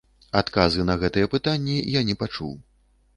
Адказы на гэтыя пытанні я не пачуў.